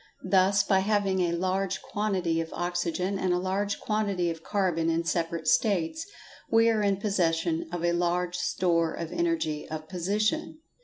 Thus by having a large quantity of oxygen and a large quantity of carbon in separate states, we are in possession of a large store of energy of position.